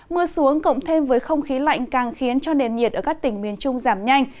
mưa xuống cộng thêm với không khí lạnh càng khiến cho nền nhiệt ở các tỉnh miền trung giảm nhanh